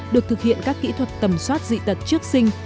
được thực hiện các kỹ thuật tầm soát dị tật trước sinh